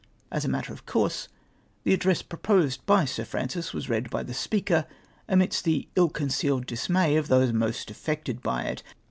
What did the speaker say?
As a matter of course, the address proposed by Sir Francis Avas read by the Speaker, amidst the ill con cealed dismay of those most affected by it.